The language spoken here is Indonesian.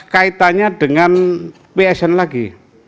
kaitannya dengan psn lagi